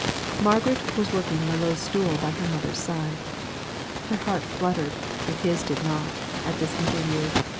Margaret was working on a low stool by her mother's side. Her heart fluttered, if his did not at this interview.